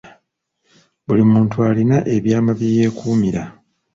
Buli muntu alina ebyama bye yeekuumira.